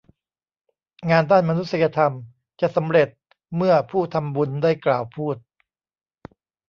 งานด้านมนุษยธรรมจะสำเร็จเมื่อผู้ทำบุญได้กล่าวพูด